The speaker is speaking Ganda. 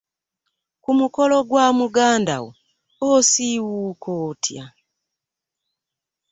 Ku mukolo gwa muganda wo osiiwuuka otya?